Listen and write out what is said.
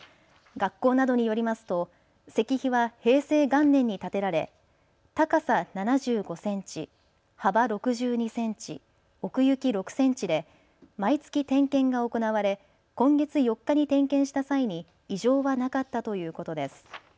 学校などによりますと石碑は平成元年に建てられ、高さ７５センチ、幅６２センチ、奥行き６センチで毎月点検が行われ、今月４日に点検した際に異常はなかったということです。